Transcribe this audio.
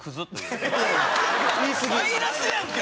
マイナスやんけ！